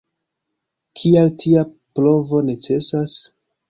Kial tia provo necesas?